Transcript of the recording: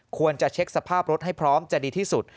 ควรจะเช็คสภาพรถให้พร้อมจะดีที่สุด